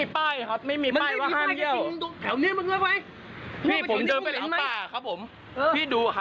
พี่ผมเดินไปหลังป่าครับผม